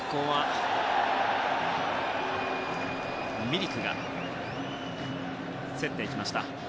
ミリクが競っていきました。